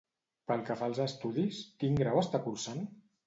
Pel que fa als estudis, quin grau està cursant?